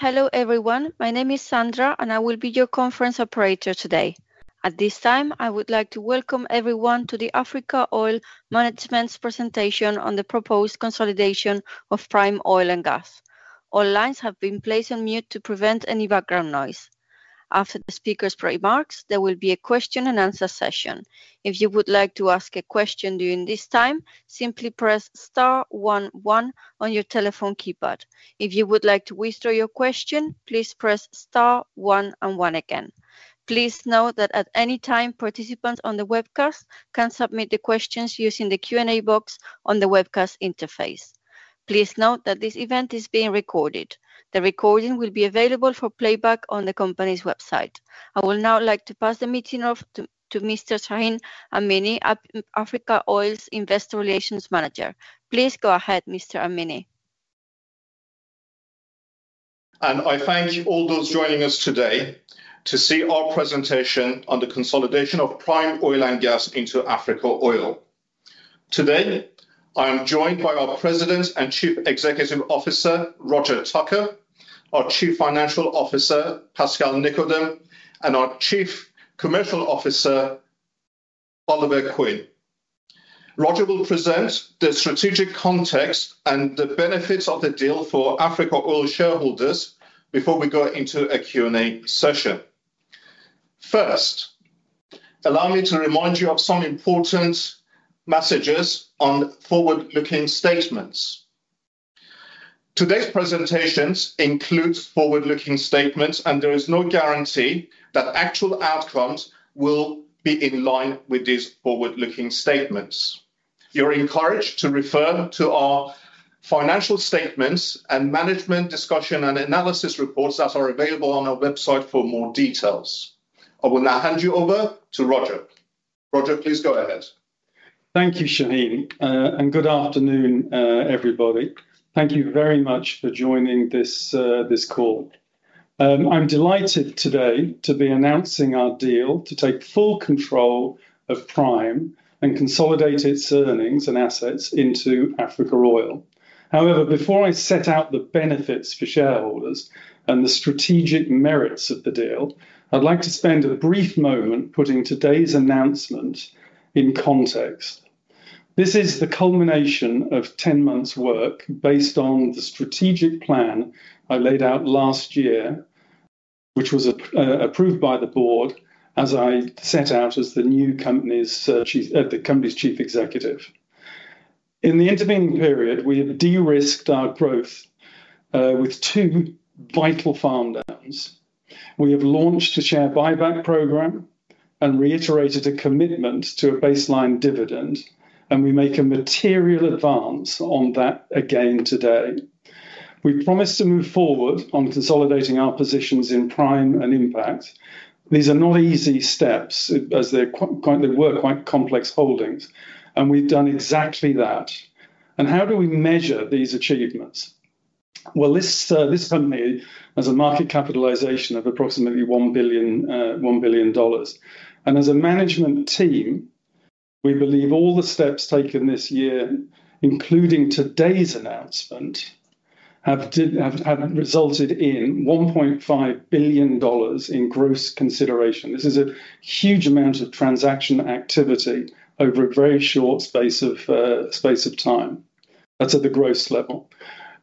Hello, everyone. My name is Sandra, and I will be your conference operator today. At this time, I would like to welcome everyone to the Africa Oil management's presentation on the proposed consolidation of Prime Oil and Gas. All lines have been placed on mute to prevent any background noise. After the speaker's remarks, there will be a question and answer session. If you would like to ask a question during this time, simply press star one, one on your telephone keypad. If you would like to withdraw your question, please press star one and one again. Please note that at any time, participants on the webcast can submit the questions using the Q&A box on the webcast interface. Please note that this event is being recorded. The recording will be available for playback on the company's website. I will now like to pass the meeting off to Mr. Shahin Amini, Africa Oil's Investor Relations Manager. Please go ahead, Mr. Amini. I thank all those joining us today to see our presentation on the consolidation of Prime Oil and Gas into Africa Oil. Today, I am joined by our President and Chief Executive Officer, Roger Tucker, our Chief Financial Officer, Pascal Nicodème, and our Chief Commercial Officer, Oliver Quinn. Roger will present the strategic context and the benefits of the deal for Africa Oil shareholders before we go into a Q&A session. First, allow me to remind you of some important messages on forward-looking statements. Today's presentations include forward-looking statements, and there is no guarantee that actual outcomes will be in line with these forward-looking statements. You're encouraged to refer to our financial statements and management discussion and analysis reports that are available on our website for more details. I will now hand you over to Roger. Roger, please go ahead. Thank you, Shahin, and good afternoon, everybody. Thank you very much for joining this call. I'm delighted today to be announcing our deal to take full control of Prime and consolidate its earnings and assets into Africa Oil. However, before I set out the benefits for shareholders and the strategic merits of the deal, I'd like to spend a brief moment putting today's announcement in context. This is the culmination of 10 months work based on the strategic plan I laid out last year, which was approved by the board as I set out as the new company's chief, the company's chief executive. In the intervening period, we have de-risked our growth with 2 vital farm downs. We have launched a share buyback program and reiterated a commitment to a baseline dividend, and we make a material advance on that again today. We promised to move forward on consolidating our positions in Prime and Impact. These are not easy steps, as they're quite, they were quite complex holdings, and we've done exactly that. How do we measure these achievements? Well, this company has a market capitalization of approximately $1 billion. And as a management team, we believe all the steps taken this year, including today's announcement, have resulted in $1.5 billion in gross consideration. This is a huge amount of transaction activity over a very short space of time. That's at the gross level.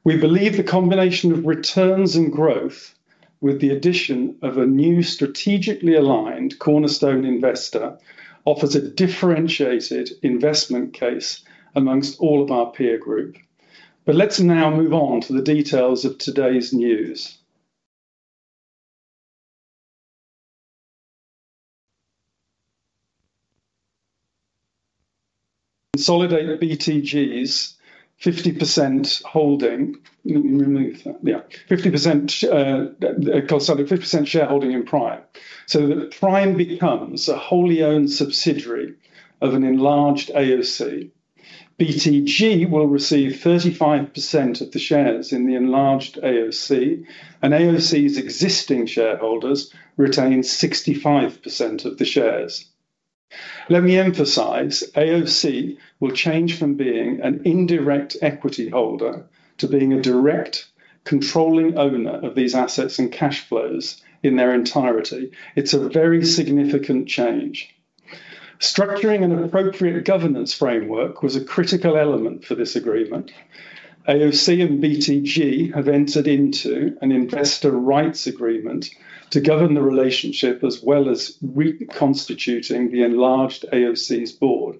We believe the combination of returns and growth, with the addition of a new strategically aligned cornerstone investor, offers a differentiated investment case among all of our peer group. Let's now move on to the details of today's news. Consolidate BTG's 50% holding. Remove that. Yeah. 50%, consolidating 50% shareholding in Prime. So that Prime becomes a wholly owned subsidiary of an enlarged AOC. BTG will receive 35% of the shares in the enlarged AOC, and AOC's existing shareholders retain 65% of the shares. Let me emphasize, AOC will change from being an indirect equity holder to being a direct controlling owner of these assets and cash flows in their entirety. It's a very significant change. Structuring an appropriate governance framework was a critical element for this agreement. AOC and BTG have entered into an Investor Rights Agreement to govern the relationship, as well as reconstituting the enlarged AOC's board.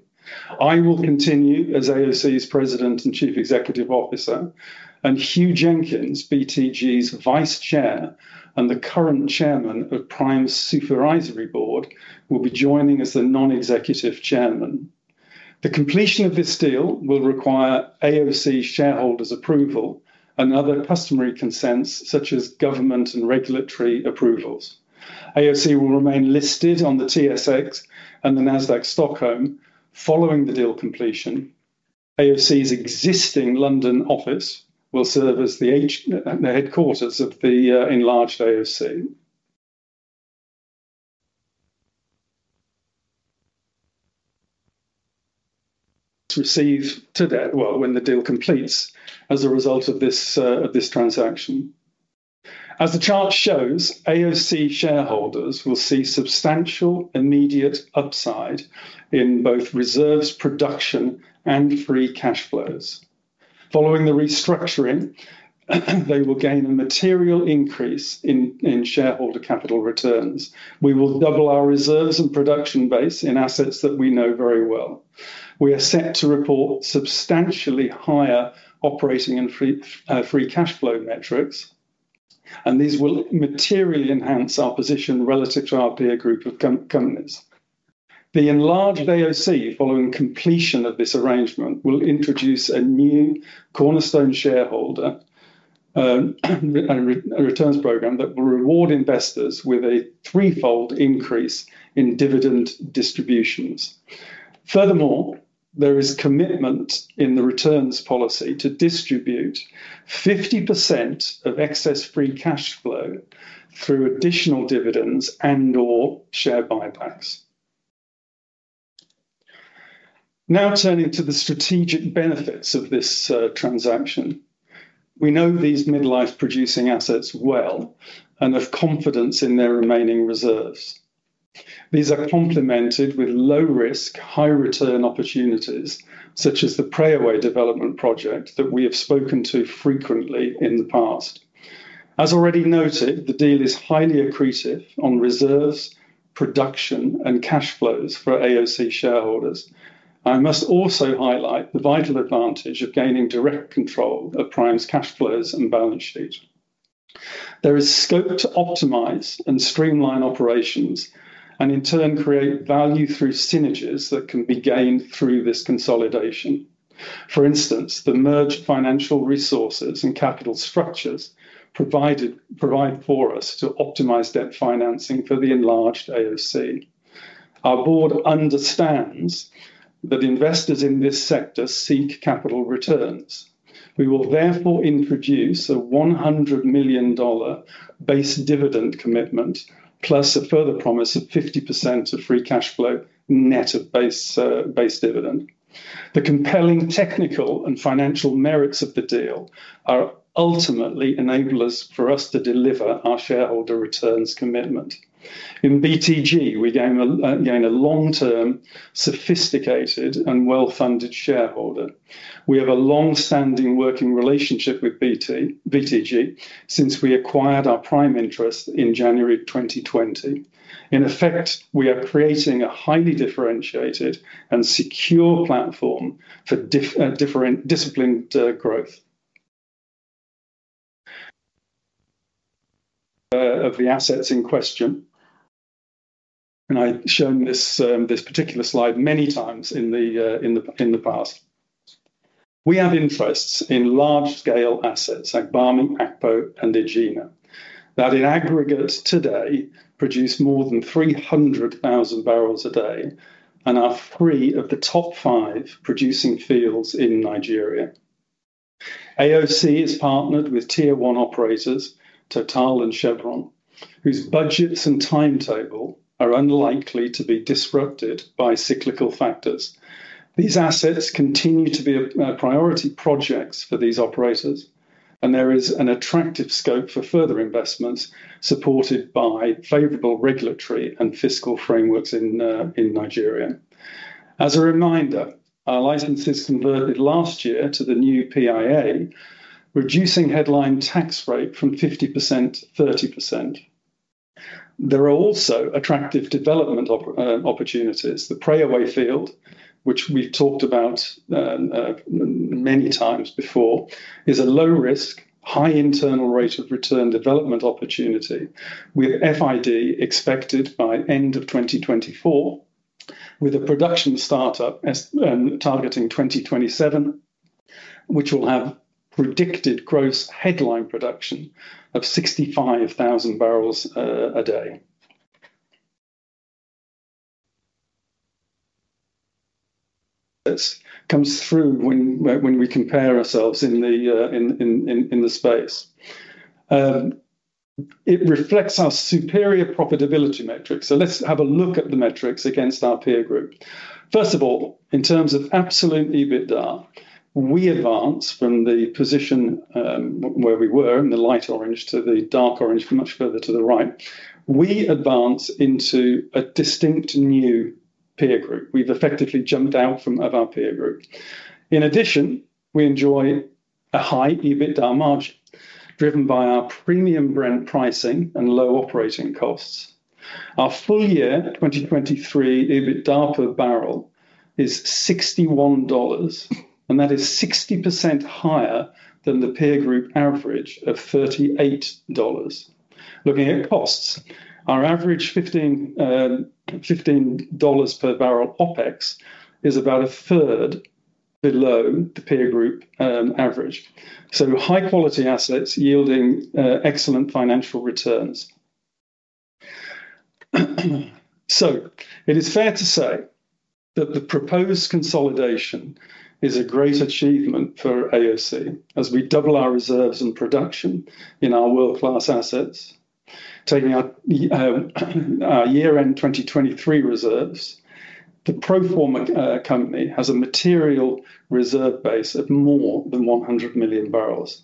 I will continue as AOC's President and Chief Executive Officer, and Huw Jenkins, BTG's Vice Chair and the current Chairman of Prime's Supervisory Board, will be joining as the non-executive chairman. The completion of this deal will require AOC shareholders' approval and other customary consents, such as government and regulatory approvals. AOC will remain listed on the TSX and the Nasdaq Stockholm following the deal completion. AOC's existing London office will serve as the headquarters of the enlarged AOC to receive today, well, when the deal completes, as a result of this transaction. As the chart shows, AOC shareholders will see substantial immediate upside in both reserves, production, and free cash flows. Following the restructuring, they will gain a material increase in shareholder capital returns. We will double our reserves and production base in assets that we know very well. We are set to report substantially higher operating and free cash flow metrics, and these will materially enhance our position relative to our peer group of companies. The enlarged AOC, following completion of this arrangement, will introduce a new cornerstone shareholder, and a returns program that will reward investors with a threefold increase in dividend distributions. Furthermore, there is commitment in the returns policy to distribute 50% of excess free cash flow through additional dividends and/or share buybacks. Now, turning to the strategic benefits of this transaction. We know these mid-life producing assets well and have confidence in their remaining reserves. These are complemented with low risk, high return opportunities, such as the Preowei development project that we have spoken to frequently in the past. As already noted, the deal is highly accretive on reserves, production, and cash flows for AOC shareholders. I must also highlight the vital advantage of gaining direct control of Prime's cash flows and balance sheet. There is scope to optimize and streamline operations, and in turn, create value through synergies that can be gained through this consolidation. For instance, the merged financial resources and capital structures provided, provide for us to optimize debt financing for the enlarged AOC. Our board understands that investors in this sector seek capital returns. We will therefore introduce a $100 million base dividend commitment, plus a further promise of 50% of free cash flow, net of base, base dividend. The compelling technical and financial merits of the deal are ultimately enablers for us to deliver our shareholder returns commitment. In BTG, we gain a long-term, sophisticated, and well-funded shareholder. We have a long-standing working relationship with BTG, since we acquired our prime interest in January 2020. In effect, we are creating a highly differentiated and secure platform for different disciplined growth. Of the assets in question, and I've shown this particular slide many times in the past. We have interests in large-scale assets like Agbami, Akpo, and Egina, that in aggregate today, produce more than 300,000 barrels a day, and are three of the top five producing fields in Nigeria. AOC is partnered with Tier One operators, Total and Chevron, whose budgets and timetable are unlikely to be disrupted by cyclical factors. These assets continue to be a priority projects for these operators, and there is an attractive scope for further investments, supported by favorable regulatory and fiscal frameworks in Nigeria. As a reminder, our license is converted last year to the new PIA, reducing headline tax rate from 50% to 30%. There are also attractive development opportunities. The Preowei field, which we've talked about many times before, is a low risk, high internal rate of return development opportunity, with FID expected by end of 2024, with a production startup targeting 2027, which will have predicted gross headline production of 65,000 barrels a day. This comes through when we compare ourselves in the space. It reflects our superior profitability metrics. So let's have a look at the metrics against our peer group. First of all, in terms of absolute EBITDA, we advance from the position where we were in the light orange to the dark orange, much further to the right. We advance into a distinct new peer group. We've effectively jumped out of our peer group. In addition, we enjoy a high EBITDA margin, driven by our premium Brent pricing and low operating costs. Our full year 2023 EBITDA per barrel is $61, and that is 60% higher than the peer group average of $38. Looking at costs, our average $15 per barrel OpEx is about a third below the peer group average. So high quality assets yielding excellent financial returns. So it is fair to say that the proposed consolidation is a great achievement for AOC as we double our reserves and production in our world-class assets. Taking our, our year-end 2023 reserves, the pro forma company has a material reserve base of more than 100 million barrels.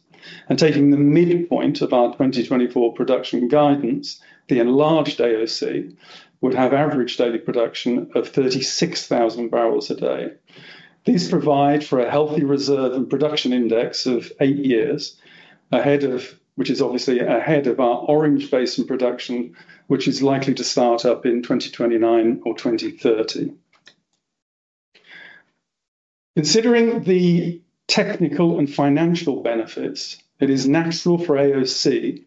And taking the midpoint of our 2024 production guidance, the enlarged AOC would have average daily production of 36,000 barrels a day. These provide for a healthy reserve and production index of eight years, ahead of which is obviously ahead of our Orange Basin production, which is likely to start up in 2029 or 2030. Considering the technical and financial benefits, it is natural for AOC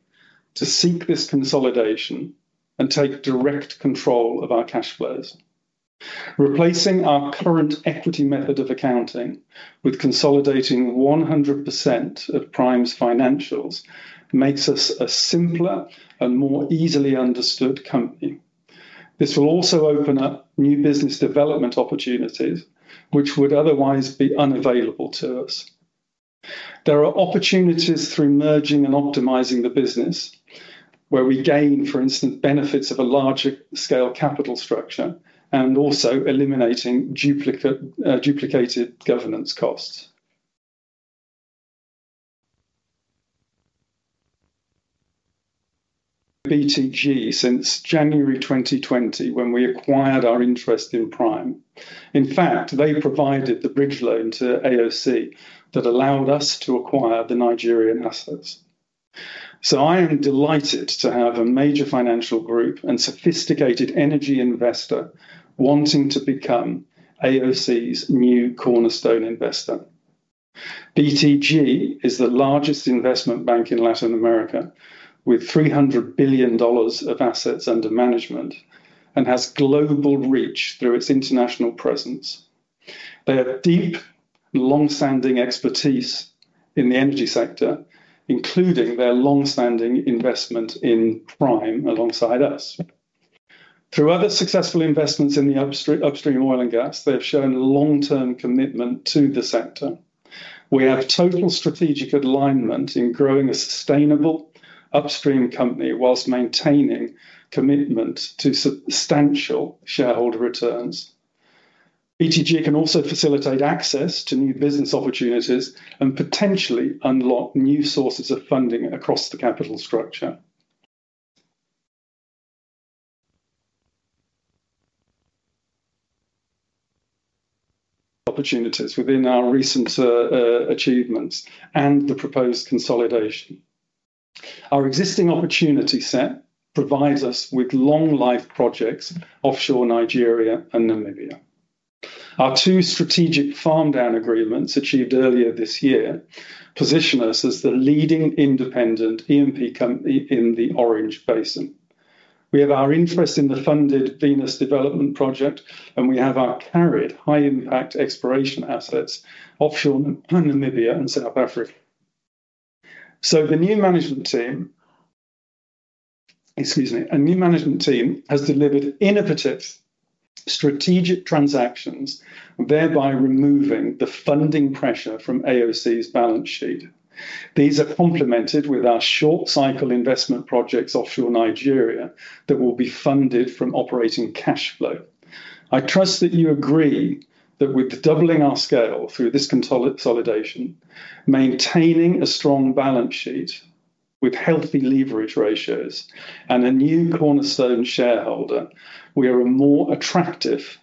to seek this consolidation and take direct control of our cash flows. Replacing our current equity method of accounting with consolidating 100% of Prime's financials makes us a simpler and more easily understood company. This will also open up new business development opportunities, which would otherwise be unavailable to us. There are opportunities through merging and optimizing the business, where we gain, for instance, benefits of a larger scale capital structure and also eliminating duplicated governance costs. BTG since January 2020, when we acquired our interest in Prime. In fact, they provided the bridge loan to AOC that allowed us to acquire the Nigerian assets. So I am delighted to have a major financial group and sophisticated energy investor wanting to become AOC's new cornerstone investor. BTG is the largest investment bank in Latin America, with $300 billion of assets under management, and has global reach through its international presence. They have deep, long-standing expertise in the energy sector, including their long-standing investment in Prime alongside us. Through other successful investments in the upstream oil and gas, they have shown long-term commitment to the sector. We have total strategic alignment in growing a sustainable upstream company whilst maintaining commitment to substantial shareholder returns. BTG can also facilitate access to new business opportunities and potentially unlock new sources of funding across the capital structure. Opportunities within our recent achievements and the proposed consolidation. Our existing opportunity set provides us with long life projects, offshore Nigeria and Namibia. Our two strategic farm down agreements, achieved earlier this year, position us as the leading independent E&P company in the Orange Basin. We have our interest in the funded Venus development project, and we have our carried high impact exploration assets offshore Namibia and South Africa. So the new management team, excuse me, a new management team has delivered innovative strategic transactions, thereby removing the funding pressure from AOC's balance sheet. These are complemented with our short cycle investment projects offshore Nigeria, that will be funded from operating cash flow. I trust that you agree that with doubling our scale through this consolidation, maintaining a strong balance sheet with healthy leverage ratios and a new cornerstone shareholder, we are a more attractive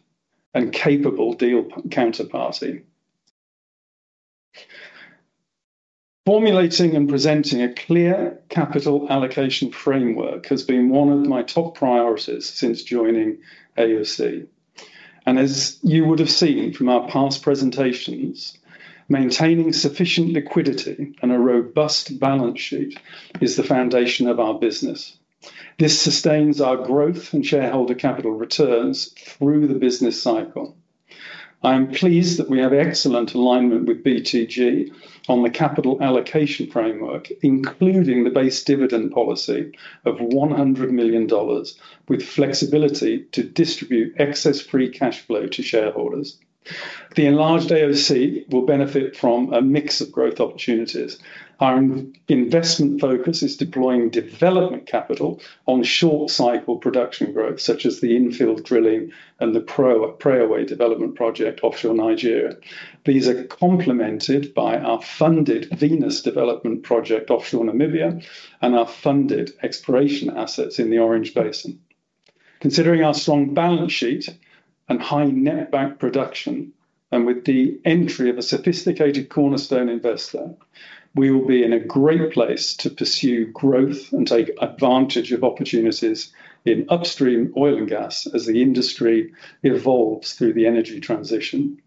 and capable deal counterparty. Formulating and presenting a clear capital allocation framework has been one of my top priorities since joining AOC, and as you would have seen from our past presentations, maintaining sufficient liquidity and a robust balance sheet is the foundation of our business. This sustains our growth and shareholder capital returns through the business cycle. I am pleased that we have excellent alignment with BTG on the capital allocation framework, including the base dividend policy of $100 million, with flexibility to distribute excess free cash flow to shareholders. The enlarged AOC will benefit from a mix of growth opportunities. Our investment focus is deploying development capital on short-cycle production growth, such as the infill drilling and the Preowei development project offshore Nigeria. These are complemented by our funded Venus development project, offshore Namibia, and our funded exploration assets in the Orange Basin. Considering our strong balance sheet and high netback production, and with the entry of a sophisticated cornerstone investor, we will be in a great place to pursue growth and take advantage of opportunities in upstream oil and gas as the industry evolves through the energy transition.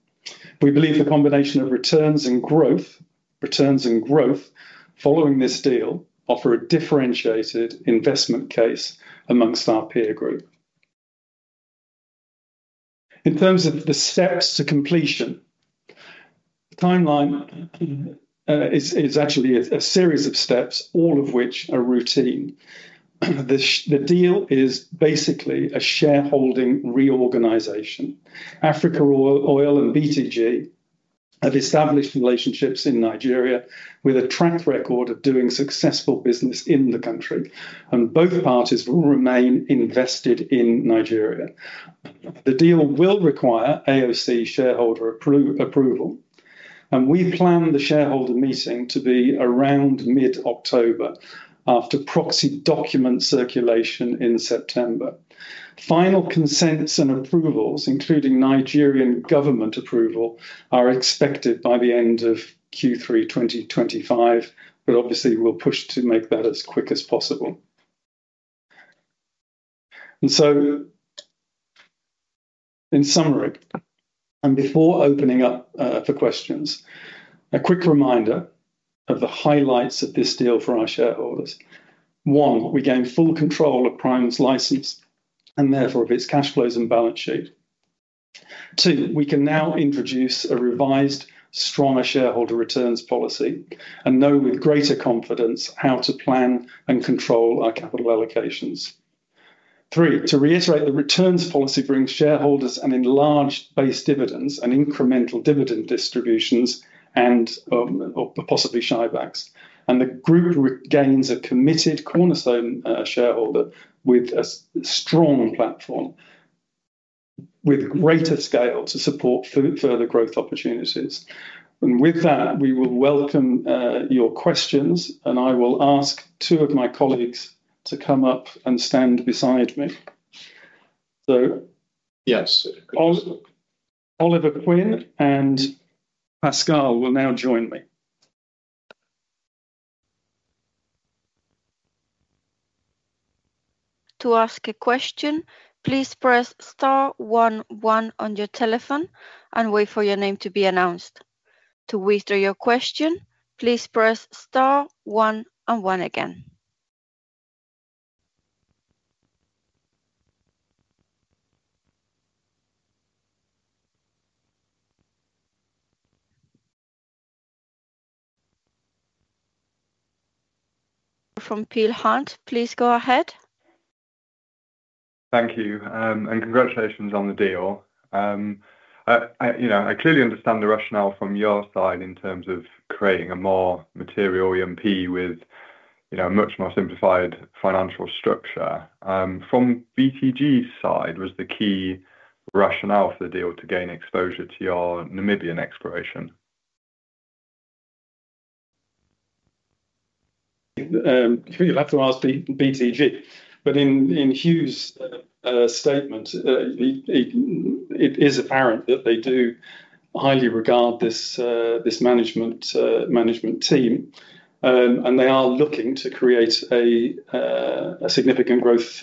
We believe the combination of returns and growth, returns and growth following this deal offer a differentiated investment case among our peer group. In terms of the steps to completion, the timeline is actually a series of steps, all of which are routine. The deal is basically a shareholding reorganization. Africa Oil and BTG Pactual have established relationships in Nigeria with a track record of doing successful business in the country, and both parties will remain invested in Nigeria. The deal will require AOC shareholder approval, and we plan the shareholder meeting to be around mid-October after proxy document circulation in September. Final consents and approvals, including Nigerian government approval, are expected by the end of Q3, 2025, but obviously, we'll push to make that as quick as possible. So in summary, and before opening up, for questions, a quick reminder of the highlights of this deal for our shareholders. One, we gain full control of Prime's license and therefore of its cash flows and balance sheet. Two, we can now introduce a revised, stronger shareholder returns policy and know with greater confidence how to plan and control our capital allocations. Three, to reiterate, the returns policy brings shareholders an enlarged base dividends and incremental dividend distributions and, or possibly buybacks. And the group regains a committed cornerstone shareholder with a strong platform, with greater scale to support further growth opportunities. And with that, we will welcome your questions, and I will ask two of my colleagues to come up and stand beside me. So yes, Oliver Quinn and Pascal will now join me. To ask a question, please press star one one on your telephone and wait for your name to be announced. To withdraw your question, please press star one and one again. From Peel Hunt, please go ahead. Thank you, and congratulations on the deal. You know, I clearly understand the rationale from your side in terms of creating a more material E&P with, you know, a much more simplified financial structure. From BTG's side, was the key rationale for the deal to gain exposure to your Namibian exploration? You'll have to ask BTG, but in Huw's statement, it is apparent that they do highly regard this management team, and they are looking to create a significant growth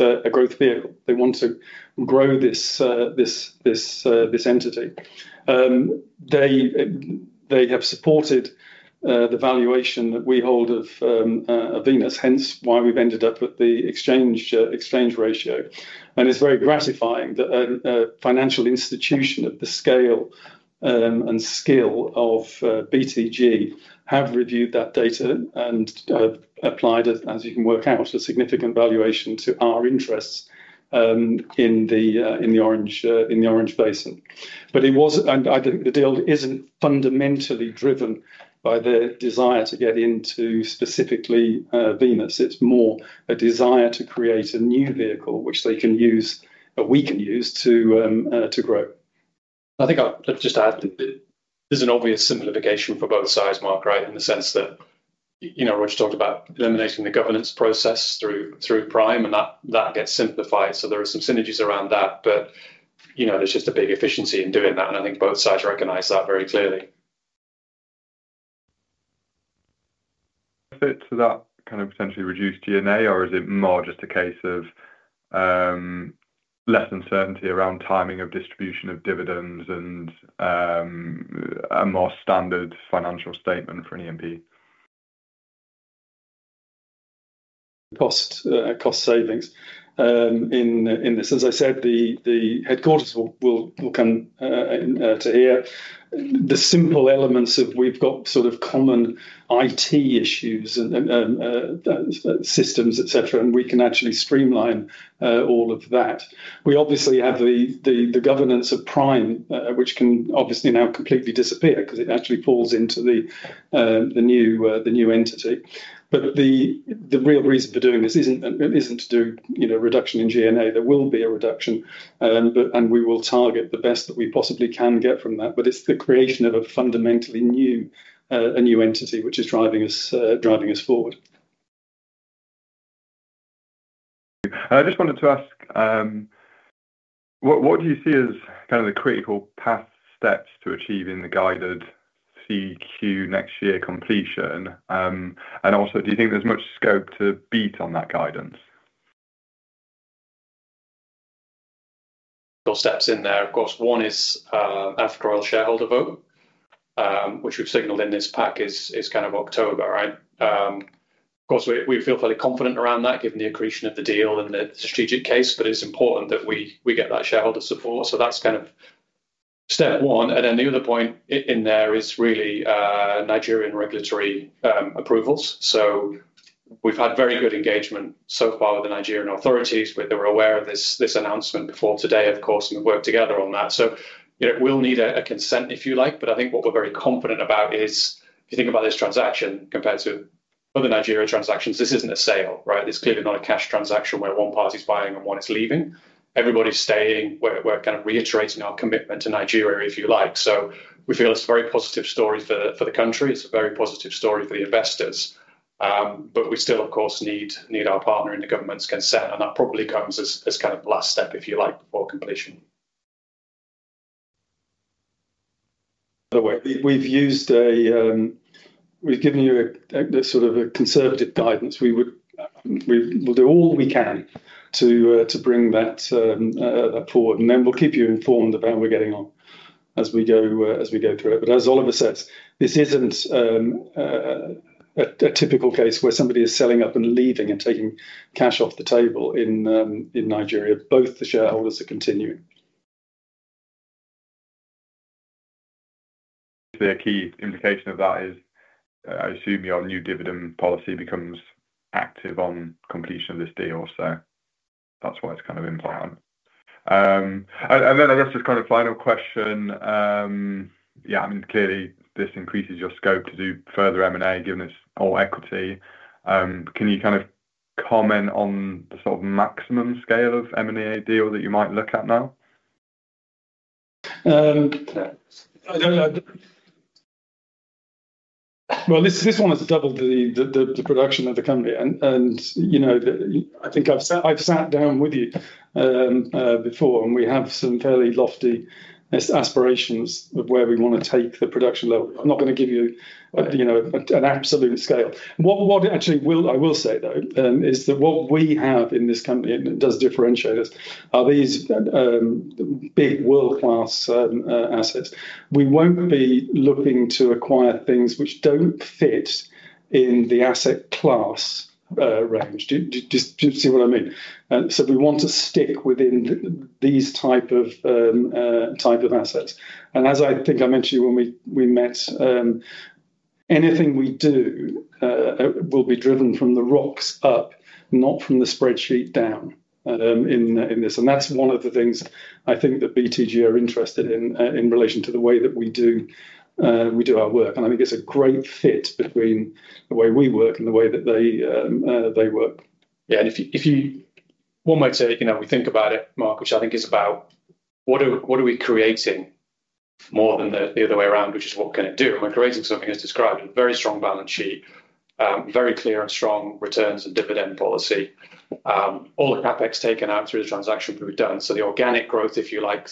vehicle. They want to grow this entity. They have supported the valuation that we hold of Venus, hence why we've ended up with the exchange ratio. And it's very gratifying that a financial institution of the scale and skill of BTG have reviewed that data and applied it, as you can work out, a significant valuation to our interests in the Orange Basin. But it was... I think the deal isn't fundamentally driven by the desire to get into specifically Venus. It's more a desire to create a new vehicle, which they can use, we can use to grow. I think I'll just add, there's an obvious simplification for both sides, Mark, right? In the sense that, you know, Roger talked about eliminating the governance process through Prime, and that gets simplified. So there are some synergies around that, but, you know, there's just a big efficiency in doing that, and I think both sides recognize that very clearly. Fits to that kind of potentially reduced G&A, or is it more just a case of less uncertainty around timing of distribution of dividends and a more standard financial statement for an E&P? Cost savings in this. As I said, the headquarters will come to here. The simple elements of we've got sort of common IT issues and systems, et cetera, and we can actually streamline all of that. We obviously have the governance of Prime, which can obviously now completely disappear because it actually falls into the new entity. But the real reason for doing this isn't to do, you know, reduction in G&A. There will be a reduction, but and we will target the best that we possibly can get from that. But it's the creation of a fundamentally new a new entity, which is driving us driving us forward. I just wanted to ask, what do you see as kind of the critical path, steps to achieving the guided CQ next year completion? And also, do you think there's much scope to beat on that guidance?... Those steps in there, of course, one is, after approval shareholder vote, which we've signaled in this pack is kind of October, right? Of course, we feel fairly confident around that, given the accretion of the deal and the strategic case, but it's important that we get that shareholder support. So that's kind of step one, and then the other point in there is really, Nigerian regulatory approvals. So... We've had very good engagement so far with the Nigerian authorities. They were aware of this announcement before today, of course, and we've worked together on that. So, you know, we'll need a consent, if you like. But I think what we're very confident about is, if you think about this transaction compared to other Nigerian transactions, this isn't a sale, right? It's clearly not a cash transaction where one party is buying and one is leaving. Everybody's staying. We're, we're kind of reiterating our commitment to Nigeria, if you like. So we feel it's a very positive story for the, for the country. It's a very positive story for the investors. But we still, of course, need, need our partner and the government's consent, and that probably comes as, as kind of last step, if you like, before completion. By the way, we've given you a sort of conservative guidance. We will do all we can to bring that forward, and then we'll keep you informed about how we're getting on as we go through it. But as Oliver says, this isn't a typical case where somebody is selling up and leaving and taking cash off the table in Nigeria. Both the shareholders are continuing. The key implication of that is, I assume your new dividend policy becomes active on completion of this deal, so that's why it's kind of important. I guess just kind of final question, yeah, I mean, clearly, this increases your scope to do further M&A, given it's all equity. Can you kind of comment on the sort of maximum scale of M&A deal that you might look at now? I don't know. Well, this one is to double the production of the company, and, you know, the- I think I've sat down with you before, and we have some fairly lofty aspirations of where we wanna take the production level. I'm not gonna give you, you know, an absolute scale. What actually will- I will say, though, is that what we have in this company, and it does differentiate us, are these big world-class assets. We won't be looking to acquire things which don't fit in the asset class range. Do you see what I mean? So we want to stick within these type of assets. As I think I mentioned to you when we met, anything we do will be driven from the rocks up, not from the spreadsheet down, in this. And that's one of the things I think that BTG are interested in, in relation to the way that we do our work, and I think it's a great fit between the way we work and the way that they work. Yeah, and if you... One might say, you know, we think about it, Mark, which I think is about what are we creating more than the other way around, which is what can it do? And we're creating something, as described, a very strong balance sheet, very clear and strong returns and dividend policy. All the CapEx taken out through the transaction will be done. So the organic growth, if you like,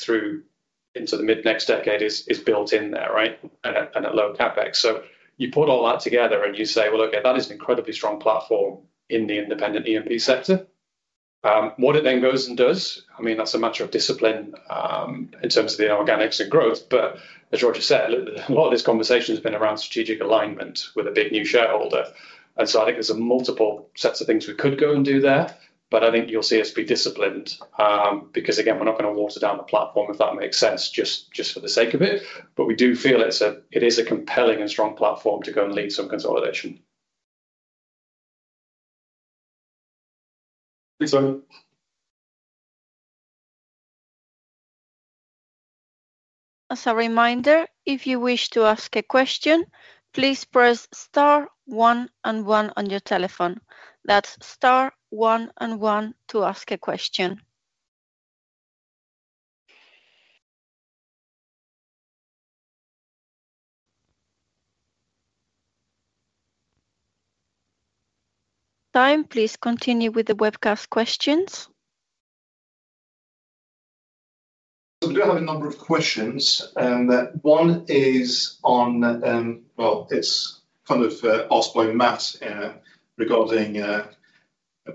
through into the mid-next decade is built in there, right? And a low CapEx. So you put all that together and you say, "Well, okay, that is an incredibly strong platform in the independent E&P sector." What it then goes and does, I mean, that's a matter of discipline, in terms of the organics and growth. But as Roger said, a lot of this conversation has been around strategic alignment with a big new shareholder. And so I think there's multiple sets of things we could go and do there, but I think you'll see us be disciplined, because, again, we're not gonna water down the platform, if that makes sense, just, just for the sake of it. But we do feel it's it is a compelling and strong platform to go and lead some consolidation. Thanks, Simon. As a reminder, if you wish to ask a question, please press star one and one on your telephone. That's star one and one to ask a question. Simon, please continue with the webcast questions. So we do have a number of questions, and one is on, Well, it's kind of asked by Matt regarding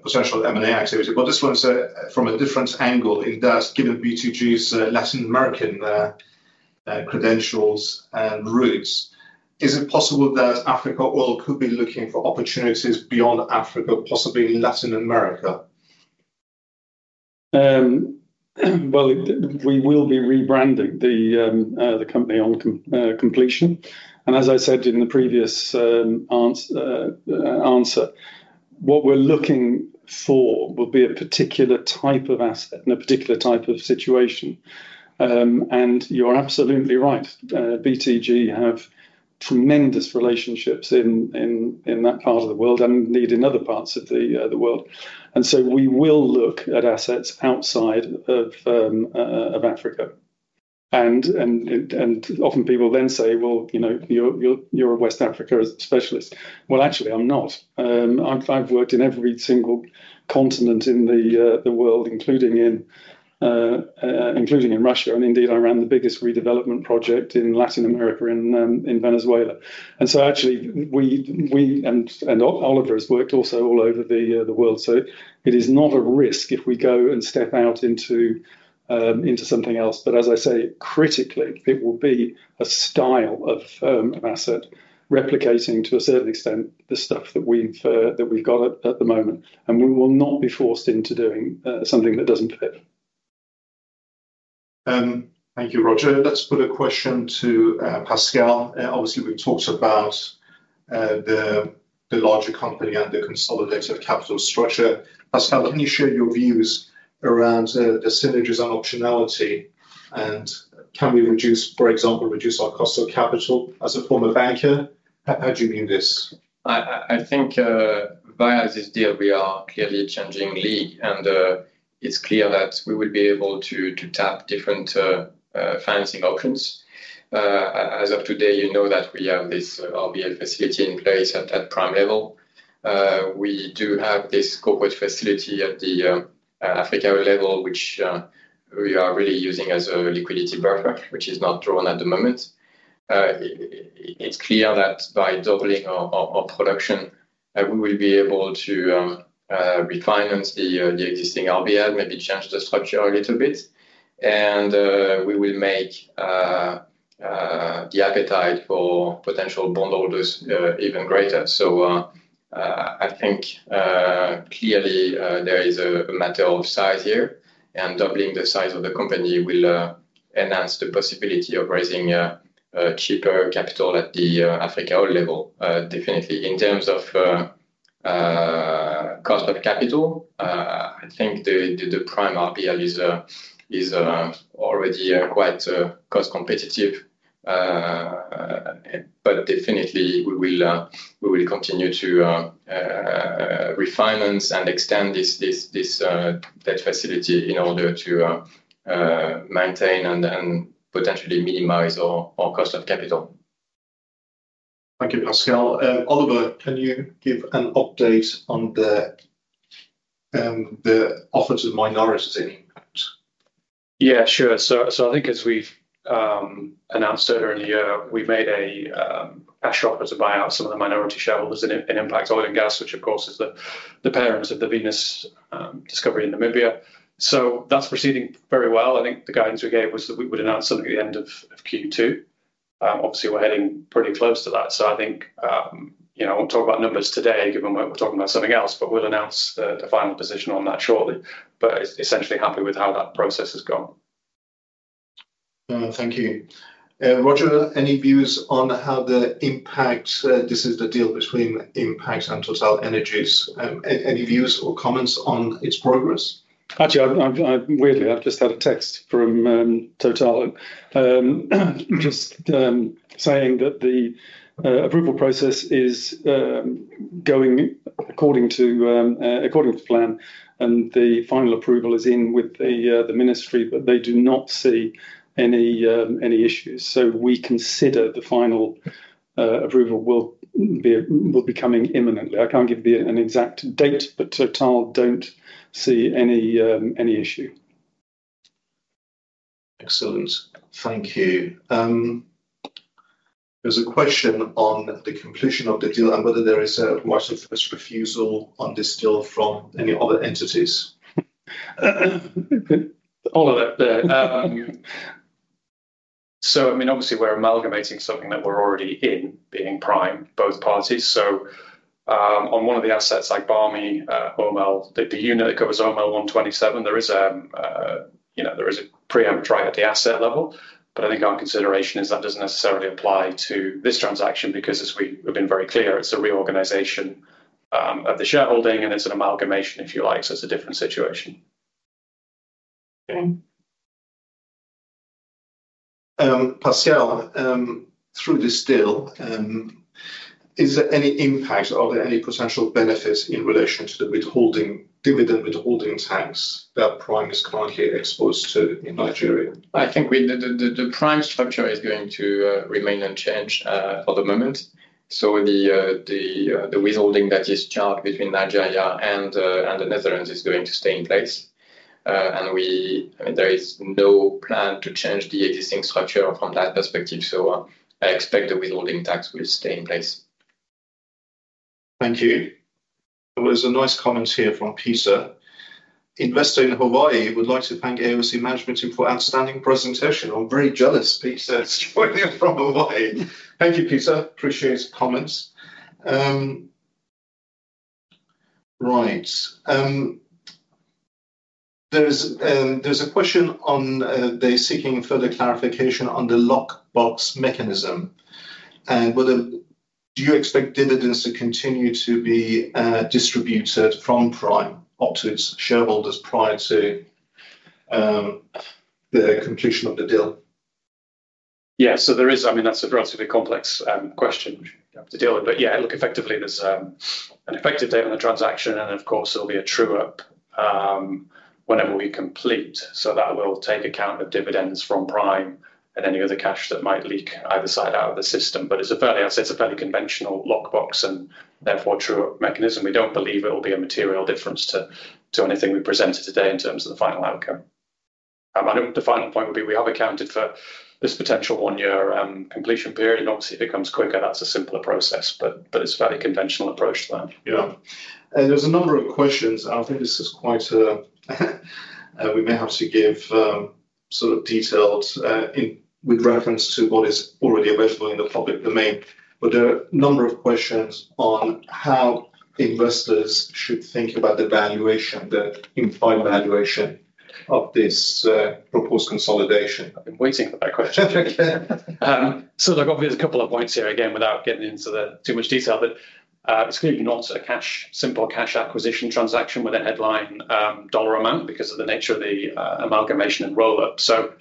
potential M&A activity. But this one is from a different angle. It does give BTG's Latin American credentials and roots. Is it possible that Africa Oil could be looking for opportunities beyond Africa, possibly Latin America? Well, we will be rebranding the company on completion. And as I said in the previous answer, what we're looking for would be a particular type of asset and a particular type of situation. And you're absolutely right. BTG have tremendous relationships in that part of the world and indeed in other parts of the world. And so we will look at assets outside of Africa. Often people then say, "Well, you know, you're a West Africa specialist." Well, actually, I'm not. I've worked in every single continent in the world, including in Russia, and indeed, I ran the biggest redevelopment project in Latin America, in Venezuela. And so actually, Oliver has worked also all over the world. So it is not a risk if we go and step out into something else. But as I say, critically, it will be a style of asset, replicating to a certain extent, the stuff that we've got at the moment, and we will not be forced into doing something that doesn't fit.... thank you, Roger. Let's put a question to Pascal. Obviously, we've talked about the larger company and the consolidated capital structure. Pascal, can you share your views around the synergies and optionality, and can we reduce, for example, our cost of capital? As a former banker, how do you view this? I think via this deal, we are clearly changing league, and it's clear that we will be able to tap different financing options. As of today, you know that we have this RBL facility in place at that Prime level. We do have this corporate facility at the Africa level, which we are really using as a liquidity buffer, which is not drawn at the moment. It's clear that by doubling our production, we will be able to refinance the existing RBL, maybe change the structure a little bit. And we will make the appetite for potential bondholders even greater. So, I think clearly there is a matter of size here, and doubling the size of the company will enhance the possibility of raising a cheaper capital at the Africa Oil level, definitely. In terms of cost of capital, I think the Prime RBL is already quite cost competitive. But definitely, we will continue to refinance and extend this debt facility in order to maintain and potentially minimize our cost of capital. Thank you, Pascal. Oliver, can you give an update on the offers of minorities in Impact? Yeah, sure. So I think as we've announced earlier in the year, we've made a step to buy out some of the minority shareholders in Impact Oil and Gas, which of course is the parent of the Venus discovery in Namibia. So that's proceeding very well. I think the guidance we gave was that we would announce something at the end of Q2. Obviously, we're heading pretty close to that, so I think you know, I won't talk about numbers today given that we're talking about something else, but we'll announce a final position on that shortly. But essentially happy with how that process has gone. Thank you. Roger, any views on how the Impact... this is the deal between Impact and TotalEnergies. Any views or comments on its progress? Actually, weirdly, I've just had a text from Total. Just saying that the approval process is going according to plan, and the final approval is in with the ministry, but they do not see any issues. So we consider the final approval will be coming imminently. I can't give you an exact date, but Total don't see any issue. Excellent. Thank you. There's a question on the completion of the deal and whether there is a right of first refusal on this deal from any other entities. All of it there. So I mean, obviously, we're amalgamating something that we're already in, being Prime, both parties. So, on one of the assets like Agbami, OML, the unit that covers OML 127, there is a, you know, there is a pre-emptive right at the asset level. But I think our consideration is that doesn't necessarily apply to this transaction because as we've been very clear, it's a reorganization, of the shareholding, and it's an amalgamation, if you like, so it's a different situation. Okay. Pascal, through this deal, is there any impact? Are there any potential benefits in relation to the dividend withholding tax that Prime is currently exposed to in Nigeria? I think with the Prime structure is going to remain unchanged for the moment. So the withholding that is charged between Nigeria and the Netherlands is going to stay in place. And there is no plan to change the existing structure from that perspective, so I expect the withholding tax will stay in place. Thank you. There was a nice comment here from Peter. "Investor in Hawaii would like to thank AOC management for outstanding presentation." I'm very jealous, Peter, joining from Hawaii. Thank you, Peter. Appreciate his comments. Right. There is, there's a question on, they're seeking further clarification on the lock-box mechanism. And whether do you expect dividends to continue to be, distributed from Prime up to its shareholders prior to, the completion of the deal? Yeah. So there is, I mean, that's a relatively complex question we have to deal with. But yeah, look, effectively, there's an effective date on the transaction, and of course, there'll be a true-up whenever we complete. So that will take account of dividends from Prime and any other cash that might leak either side out of the system. But it's a fairly, as I said, it's a fairly conventional lock-box, and therefore, true-up mechanism. We don't believe it will be a material difference to anything we presented today in terms of the final outcome. I think the final point would be, we have accounted for this potential one-year completion period. Obviously, if it comes quicker, that's a simpler process, but it's a very conventional approach to that. Yeah. And there's a number of questions. I think this is quite a... we may have to give sort of detailed, in with reference to what is already available in the public domain, but there are a number of questions on how investors should think about the valuation, the implied valuation of this proposed consolidation. I've been waiting for that question. So look, obviously, there's a couple of points here. Again, without getting into too much detail, but, it's clearly not a cash, simple cash acquisition transaction with a headline dollar amount because of the nature of the amalgamation and roll-up. So,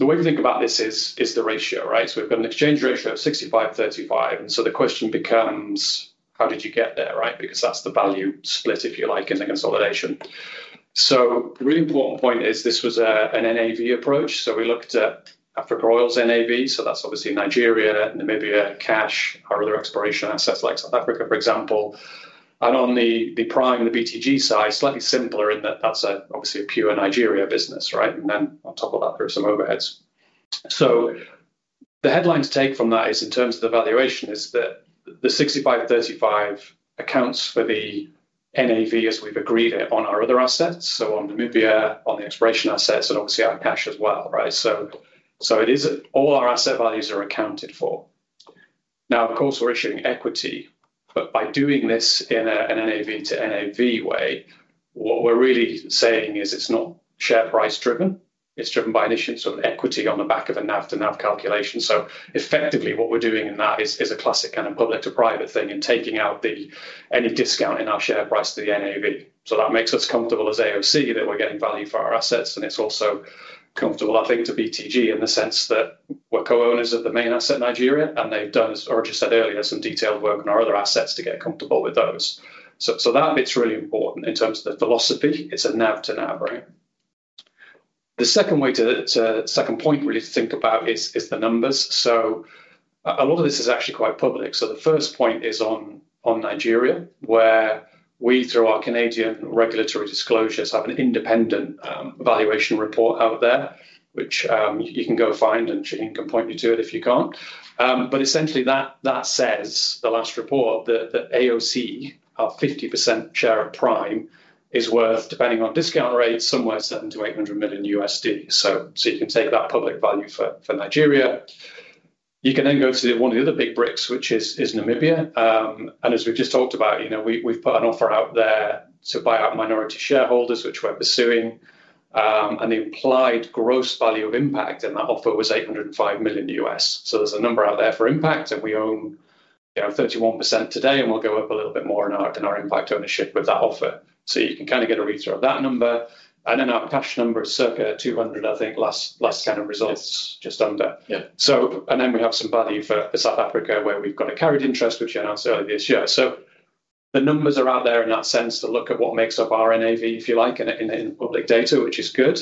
the way we think about this is the ratio, right? So we've got an exchange ratio of 65-35, and so the question becomes: how did you get there, right? Because that's the value split, if you like, in the consolidation. So the really important point is this was an NAV approach, so we looked at Africa Oil's NAV, so that's obviously Nigeria, Namibia, cash, our other exploration assets like South Africa, for example. And on the Prime and the BTG side, slightly simpler in that that's obviously a pure Nigeria business, right? Then on top of that, there are some overheads. So the headline to take from that is, in terms of the valuation, that the 65-35 accounts for the NAV as we've agreed it on our other assets, so on Namibia, on the exploration assets and obviously our cash as well, right? So it is all our asset values are accounted for. Now, of course, we're issuing equity, but by doing this in an NAV to NAV way, what we're really saying is it's not share price driven. It's driven by an issue of equity on the back of a NAV to NAV calculation. So effectively, what we're doing in that is a classic kind of public to private thing, and taking out any discount in our share price to the NAV. So that makes us comfortable as AOC, that we're getting value for our assets, and it's also comfortable, I think, to BTG in the sense that we're co-owners of the main asset in Nigeria, and they've done, or just said earlier, some detailed work on our other assets to get comfortable with those. So that bit's really important in terms of the philosophy. It's a NAV to NAV, right? The second point, really to think about is the numbers. So a lot of this is actually quite public. So the first point is on Nigeria, where we through our Canadian regulatory disclosures have an independent valuation report out there, which you can go find, and Shane can point you to it if you can't. But essentially, that, that says, the last report, that, that AOC, our 50% share of Prime, is worth, depending on discount rate, somewhere $700 million-$800 million. So you can take that public value for Nigeria. You can then go to one of the other big bricks, which is Namibia. And as we've just talked about, you know, we've put an offer out there to buy out minority shareholders, which we're pursuing. And the implied gross value of Impact in that offer was $805 million. So there's a number out there for Impact, and we own, you know, 31% today, and we'll go up a little bit more in our impact ownership with that offer. You can kind of get a read through of that number, and then our cash number is circa $200, I think, last kind of results. Yes. Just under. Yeah. So, and then we have some value for South Africa, where we've got a carried interest, which we announced earlier this year. The numbers are out there in that sense to look at what makes up our NAV, if you like, in public data, which is good.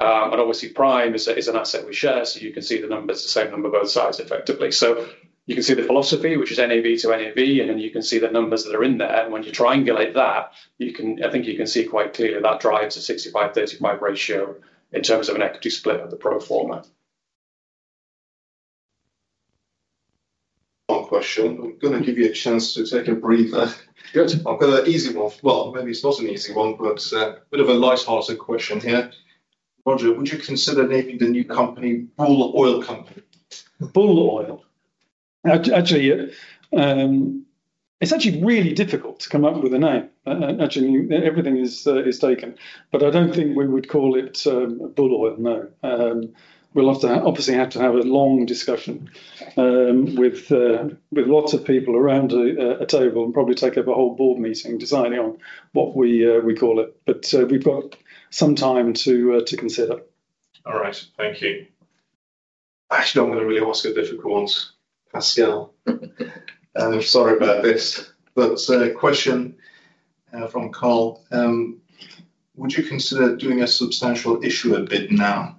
And obviously Prime is a, is an asset we share, so you can see the numbers, the same number both sides effectively. So you can see the philosophy, which is NAV to NAV, and then you can see the numbers that are in there, and when you triangulate that, you can. I think you can see quite clearly that drives a 65-35 ratio in terms of an equity split of the pro forma. One question. I'm gonna give you a chance to take a breather. Good. I've got an easy one. Well, maybe it's not an easy one, but bit of a light-hearted question here. Roger, would you consider naming the new company Bull Oil Company? Bull Oil? Actually, it's actually really difficult to come up with a name. Actually, everything is taken, but I don't think we would call it Bull Oil, no. We'll have to obviously have a long discussion with lots of people around a table and probably take up a whole board meeting deciding on what we call it, but we've got some time to consider. All right. Thank you. Actually, I'm gonna really ask a difficult one. Pascal, sorry about this, but a question from Carl. Would you consider doing a substantial issue a bit now?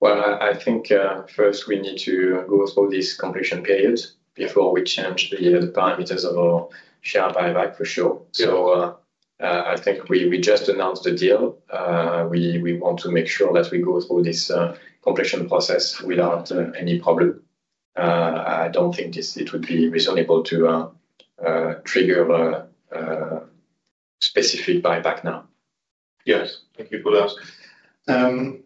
Well, I think, first we need to go through this completion period before we change the parameters of our share buyback, for sure. Yeah. So, I think we just announced the deal. We want to make sure that we go through this completion process without any problem. I don't think it would be reasonable to trigger a specific buyback now. Yes. Thank you, Pascal.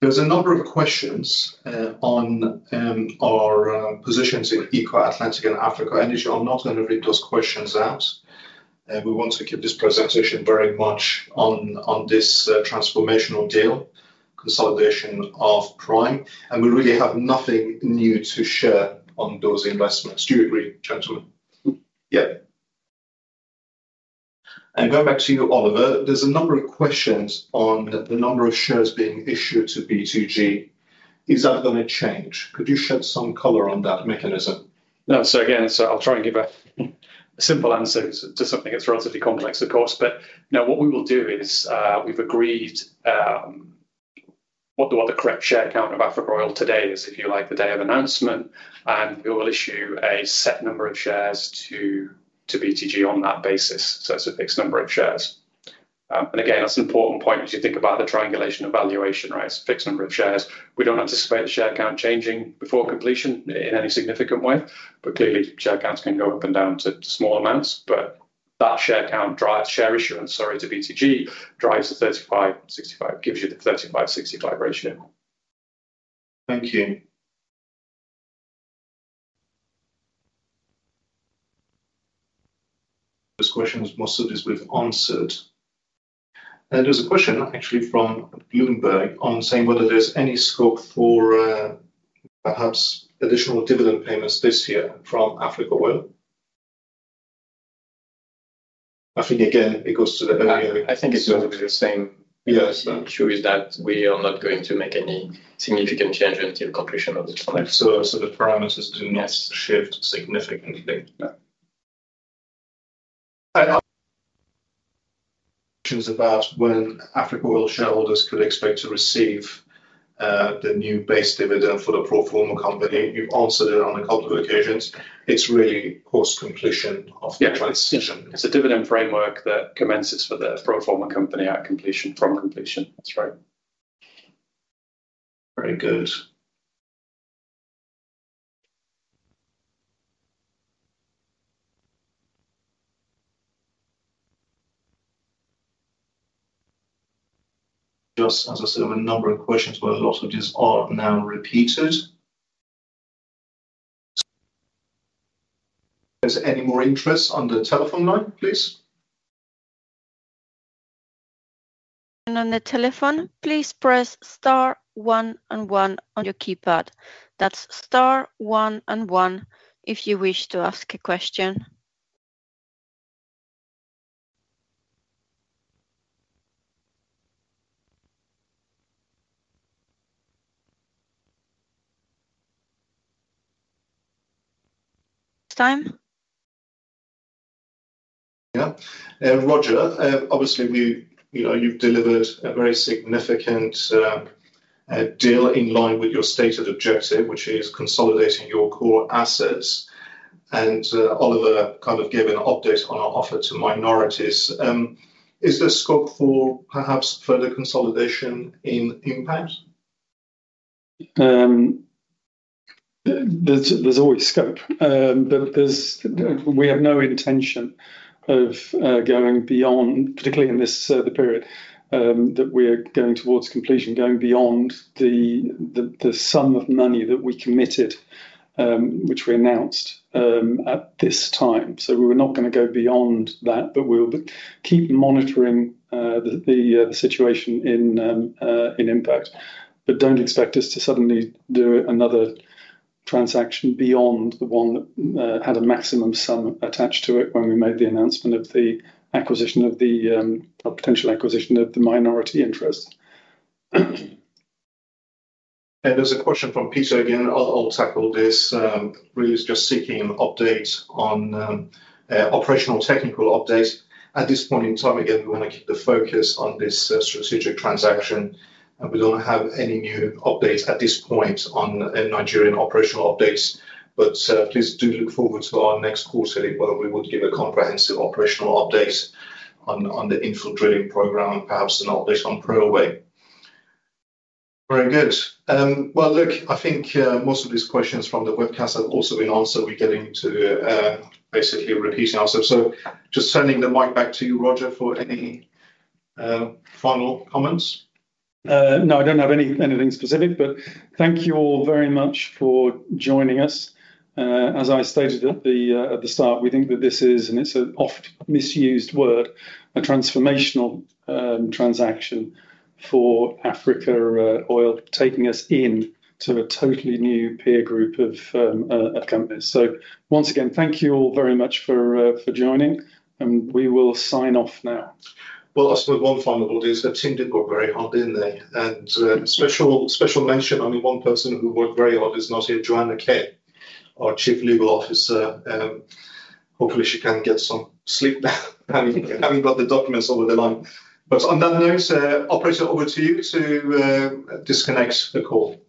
There's a number of questions on our positions in Eco Atlantic and Africa Energy. I'm not going to read those questions out. We want to keep this presentation very much on this transformational deal, consolidation of Prime, and we really have nothing new to share on those investments. Do you agree, gentlemen? Yeah. And going back to you, Oliver, there's a number of questions on the number of shares being issued to BTG. Is that gonna change? Could you shed some color on that mechanism? No. So again, I'll try and give a simple answer to something that's relatively complex, of course, but now what we will do is, we've agreed what the correct share count of Africa Oil today is, if you like, the day of announcement, and we will issue a set number of shares to BTG on that basis, so it's a fixed number of shares. And again, that's an important point as you think about the triangulation of valuation, right? It's a fixed number of shares. We don't anticipate the share count changing before completion in any significant way, but clearly, share counts can go up and down to small amounts, but that share count drives share issuance, sorry, to BTG, drives the 35-65, gives you the 35-65 ratio.... Thank you. This question is most of this we've answered. There's a question actually from Bloomberg on saying whether there's any scope for, perhaps additional dividend payments this year from Africa Oil? I think, again, it goes to the earlier- I think it's going to be the same. Yes. assure you that we are not going to make any significant change until completion of the transaction. So the parameters do not- Yes -shift significantly? No. Questions about when Africa Oil shareholders could expect to receive the new base dividend for the pro forma company. You've answered it on a couple of occasions. It's really post completion of the transition. Yeah. It's a dividend framework that commences for the pro forma company at completion, from completion. That's right. Very good. Just as I said, a number of questions, where a lot of these are now repeated. Is there any more interest on the telephone line, please? On the telephone, please press star one and one on your keypad. That's star one and one if you wish to ask a question. Time? Yeah. Roger, obviously, we, you know, you've delivered a very significant deal in line with your stated objective, which is consolidating your core assets. And, Oliver kind of gave an update on our offer to minorities. Is there scope for perhaps further consolidation in Impact? There's always scope. But there's, we have no intention of going beyond, particularly in this, the period that we are going towards completion, going beyond the sum of money that we committed, which we announced at this time. So we were not gonna go beyond that, but we'll keep monitoring the situation in Impact. But don't expect us to suddenly do another transaction beyond the one that had a maximum sum attached to it when we made the announcement of the or potential acquisition of the minority interest. There's a question from Peter. Again, I'll, I'll tackle this. Really is just seeking an update on operational technical updates. At this point in time, again, we wanna keep the focus on this strategic transaction, and we don't have any new updates at this point on Nigerian operational updates. But please do look forward to our next call where we would give a comprehensive operational update on, on the infill drilling program and perhaps an update on Preowei. Very good. Well, look, I think most of these questions from the webcast have also been answered. We're getting to basically repeating ourselves. So just sending the mic back to you, Roger, for any final comments. No, I don't have anything specific, but thank you all very much for joining us. As I stated at the start, we think that this is, and it's an oft-misused word, a transformational transaction for Africa Oil, taking us into a totally new peer group of companies. So once again, thank you all very much for joining, and we will sign off now. Well, I suppose one final word is the team did work very hard, didn't they? And, special, special mention, only one person who worked very hard is not here, Joanna Kaye, our Chief Legal Officer. Hopefully, she can get some sleep now, having, having got the documents over the line. But on that note, operator, over to you to, disconnect the call.